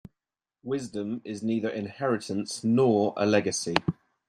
Wisdom is neither inheritance nor a legacy.